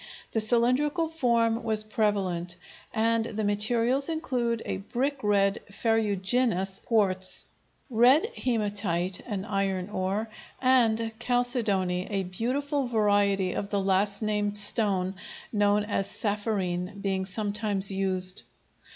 the cylindrical form was prevalent, and the materials include a brick red ferruginous quartz, red hematite (an iron ore), and chalcedony, a beautiful variety of the last named stone known as sapphirine being sometimes used.